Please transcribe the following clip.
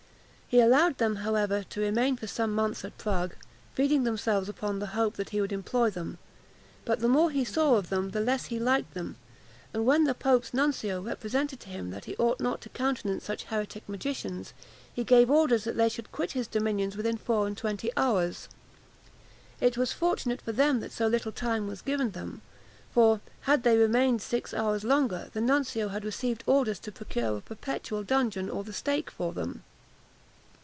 He allowed them, however, to remain for some months at Prague, feeding themselves upon the hope that he would employ them; but the more he saw of them, the less he liked them; and, when the pope's nuncio represented to him that he ought not to countenance such heretic magicians, he gave orders that they should quit his dominions within four and twenty hours. It was fortunate for them that so little time was given them; for, had they remained six hours longer, the nuncio had received orders to procure a perpetual dungeon or the stake for them.